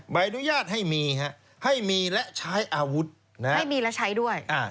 ใบอนุญาตให้มีฮะให้มีและใช้อาวุธนะฮะให้มีและใช้ด้วยอ่า